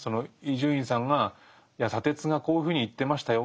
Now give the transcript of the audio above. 伊集院さんが「いや砂鉄がこういうふうに言ってましたよ。